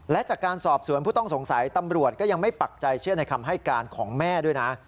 และจากการสอบสวนผู้ต้องสงสัยตำรวจก็ยังไม่ปักใจเชื่อในคำให้การของแม่ด้วยนะ